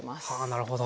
なるほど。